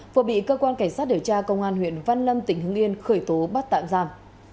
vừa bị cơ quan cảnh sát điều tra công an huyện văn lâm tỉnh hưng yên khởi tố bắt tạm giam